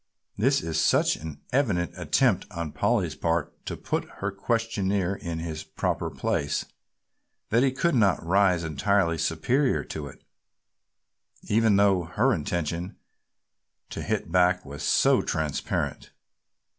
This was such an evident attempt on Polly's part to put her questioner in his proper place that he could not rise entirely superior to it, even though her intention to hit back was so transparent.